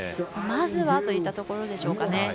まずはといったところですかね。